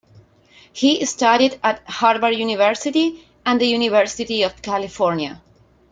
He studied at Harvard University and the University of California.